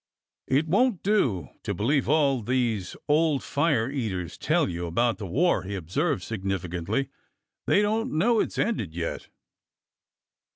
It won't do to believe all these old fire eaters tell you about the war," he observed significantly. '' They don't know it 's ended yet."